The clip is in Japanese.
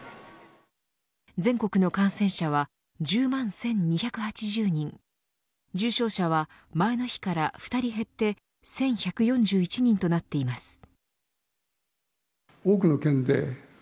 全国の感染者は１０万１２８０人重症者は前の日から２人減って１１４１人となっています。